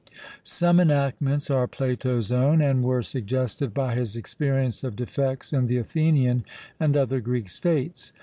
Some enactments are Plato's own, and were suggested by his experience of defects in the Athenian and other Greek states.